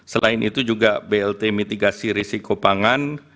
selain itu juga blt mitigasi risiko pangan